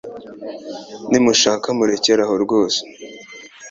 Nimushaka murekere aho rwose